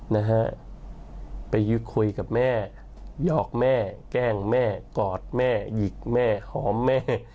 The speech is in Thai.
นะฮะไปคุยกับแม่ยอกแม่แกล้งแม่กอดแม่หยิกแม่หอมแม่